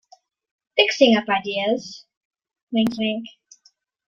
Fixing up Ideas.